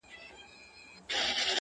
لكه د مور چي د دعا خبر په لپه كــي وي ـ